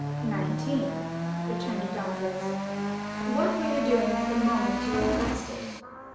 "Nineteen," returned Dantès. "What were you doing at the moment you were arrested?"